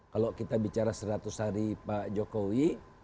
kalau kita bicara seratus hari pak jokowi